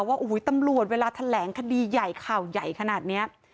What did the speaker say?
ว่าอุ๊ยตำรวจเวลาแถล่งคดีใหญ่ข่าวขนาดเนี่ย